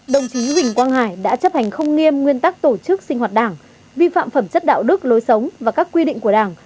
đồng chí huỳnh quang hải đã chấp hành không nghiêm nguyên tắc tổ chức sinh hoạt đảng vi phạm phẩm chất đạo đức lối sống và các quy định của đảng